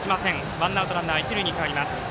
ワンアウト、ランナー、一塁に変わります。